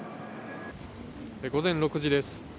午前６時です。